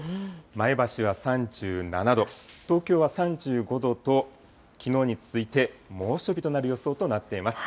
前橋は３７度、東京は３５度と、きのうに続いて猛暑日となる予想となっています。